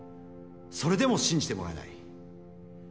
それでも信じてもらえない。